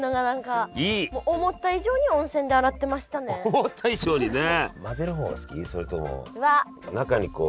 思った以上にねえ。